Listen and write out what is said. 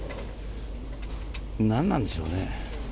何なんでしょうね。